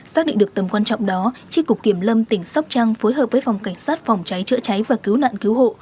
xác định được tầm quan trọng đó tri cục kiểm lâm tỉnh sóc trăng phối hợp với phòng cảnh sát phòng cháy chữa cháy và cứu nạn cứu hộ